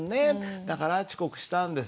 だから遅刻したんです。